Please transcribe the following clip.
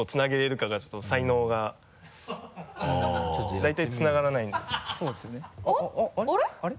大体つながらないんですあっ？